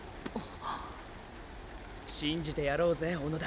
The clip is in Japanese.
信じてやろうぜ小野田。